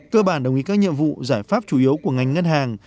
cơ bản đồng ý các nhiệm vụ giải pháp chủ yếu của ngành ngân hàng